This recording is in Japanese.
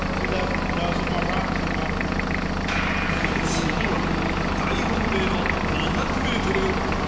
次は大本命の２００ｍ。